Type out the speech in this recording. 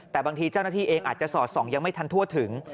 แต่บางทีเจ้าหน้าที่เองอาจจะสอดส่องยังไม่ทันทั่วถึง